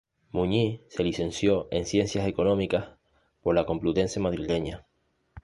Muñiz se licenció en Ciencias Económicas por la Complutense madrileña.